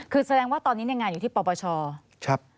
คือแสดงว่าตอนนี้ในงานอยู่ที่ปปชครับ